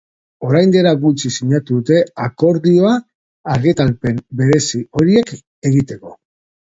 Orain dela gutxi sinatu dute akordioa argitalpen berezi horiek egiteko.